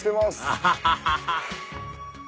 アハハハ！